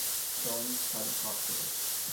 Drones quadricópteros